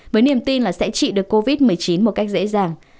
với niềm tin là sẽ trị được covid một mươi chín một cách dễ dàng